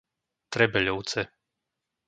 Trebeľovce